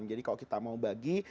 jadi kalau kita mau bagi